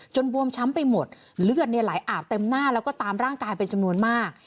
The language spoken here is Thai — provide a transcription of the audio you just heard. บวมช้ำไปหมดเลือดไหลอาบเต็มหน้าแล้วก็ตามร่างกายเป็นจำนวนมาก